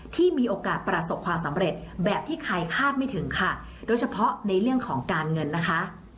ที่มีโอกาสประสบความสำเร็จแบบที่ใครคาดไม่ถึงค่ะโดยเฉพาะในเรื่องของการเงินนะคะ